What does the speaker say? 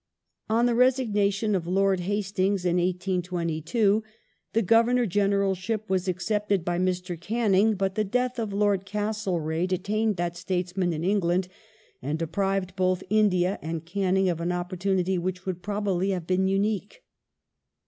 On the resignation of Lord Hastings in 1822, the Governor First Bur Generalship was accepted by Mr. Canning, but the death of Lord ^2!r i826' Castlereagh detained that statesman in England, and deprived both India and Canning of an opportunity which would probably have been unique.